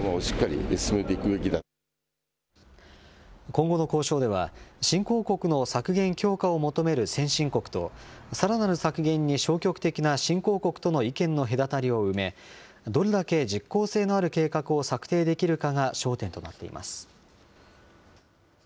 今後の交渉では、新興国の削減強化を求める先進国と、さらなる削減に消極的な新興国との意見の隔たりを埋め、どれだけ実効性のある計画を策定できるかが焦点となっています。